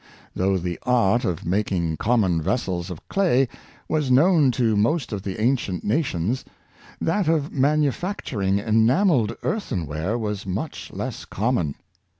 Though the art of making common vessels of clay was known to most of the ancient nations, that of manufacturing enamelled earthenware was much less common.